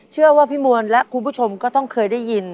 เชื่อว่าพี่มวลและคุณผู้ชมก็ต้องเคยได้ยิน